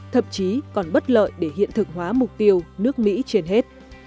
thậm chí còn bất lợi để hiện thực hóa mục tiêu nước mỹ trên hết